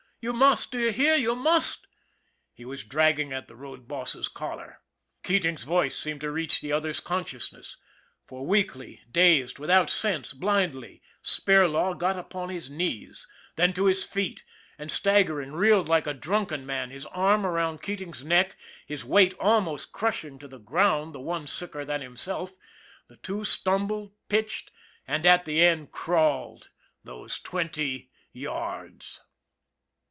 You must, do you hear, you must!" he was dragging at the road boss's collar. Keating's voice seemed to reach the other's con sciousness, for, weakly, dazed, without sense, blindly, Spirlaw got upon his knees, then to his feet, and, stag THE BUILDER 151 gering, reeling like a drunken man, his arm around Keating's neck, his weight almost crushing to the ground the one sicker than himself, the two stumbled, pitched, and, at the end, crawled those twenty yards.